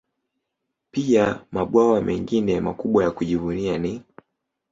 Pia mabwawa mengine makubwa ya kujivunia ni